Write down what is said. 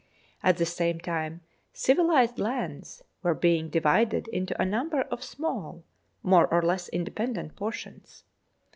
At the same time civilised lands were being divided into a number of small, more or less independent, portions.